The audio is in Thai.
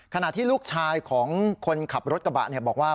ขณะที่ลูกชายของคนขับรถกระบะบอกว่า